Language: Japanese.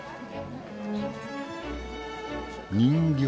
人形。